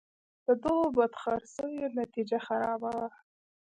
د دغو بدخرڅیو نتیجه خرابه وه.